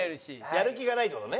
やる気がないって事ね。